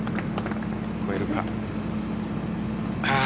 越えるか。